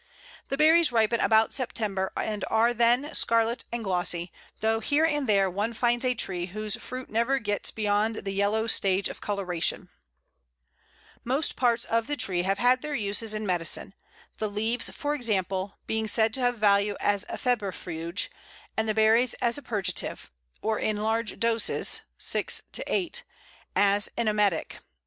The berries ripen about September, and are then scarlet and glossy, though here and there one finds a tree whose fruit never gets beyond the yellow stage of coloration. [Illustration: Pl. 83. Fruits of Holly.] [Illustration: Pl. 84. Bole of Holly.] Most parts of the tree have had their uses in medicine; the leaves, for example, being said to have value as a febrifuge, and the berries as a purgative, or in large doses (6 to 8) as an emetic.